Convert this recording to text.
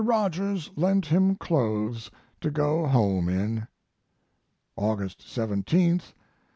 Rogers lent him clothes to go home in. August 17th.